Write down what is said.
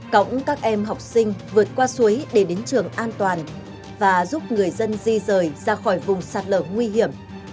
cõng các em học sinh vượt qua suối để đến trường an toàn và giúp người dân di rời ra khỏi vùng sạt lở nguy hiểm